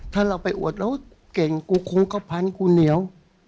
ถ้าเราไปอวดเราเก่งกูคุ้งก็พันกูเหนียว